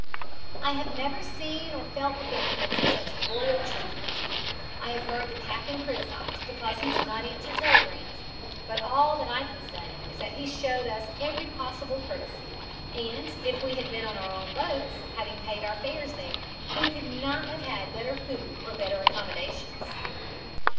"I have never seen or felt the benefits of such royal treatment. I have heard the captain criticised because he did not answer telegrams, but all that I can say is that he showed us every possible courtesy, and if we had been on our own boats, having paid our fares there, we could not have had better food or better accommodations.